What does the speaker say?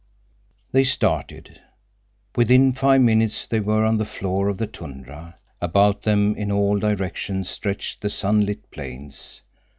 They started. Within five minutes they were on the floor of the tundra. About them in all directions stretched the sunlit plains.